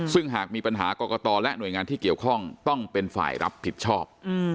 ซึ่งหากมีปัญหากรกตและหน่วยงานที่เกี่ยวข้องต้องเป็นฝ่ายรับผิดชอบ